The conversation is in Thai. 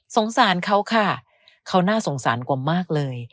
สงสารเขาค่ะเขาน่าสงสารกว่ามากเลย